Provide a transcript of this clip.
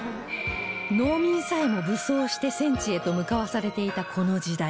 農民さえも武装して戦地へと向かわされていたこの時代